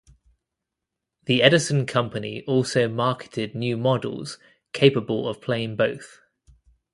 The Edison company also marketed new models capable of playing both.